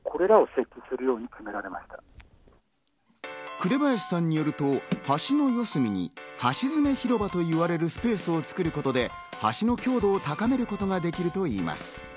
紅林さんによると橋の四隅に橋詰広場といわれるスペースを作ることで、橋の強度を高めることができるといいます。